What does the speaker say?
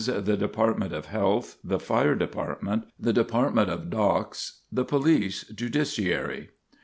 the Department of Health, the Fire Department, the Department of Docks, the Police Judiciary.